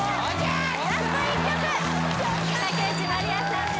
ラスト１曲竹内まりやさんで